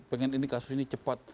pengen ini kasus ini cepat